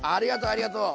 ありがとう！